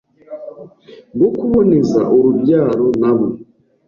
bwo kuboneza urubyaro nabo